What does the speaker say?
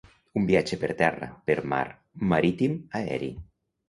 Un viatge per terra, per mar, marítim, aeri.